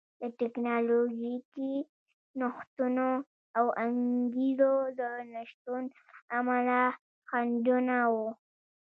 د ټکنالوژیکي نوښتونو او انګېزو د نشتون له امله خنډونه وو